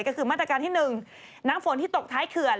ก็คือมาตรการที่๑น้ำฝนที่ตกท้ายเขื่อน